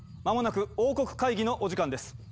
間もなく王国会議のお時間です。